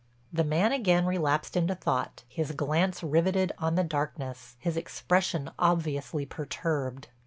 The man again relapsed into thought, his glance riveted on the darkness, his expression obviously perturbed.